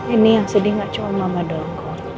ini yang sedih gak cuma mama doang kok